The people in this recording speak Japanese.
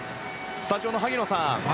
スタジオの萩野さん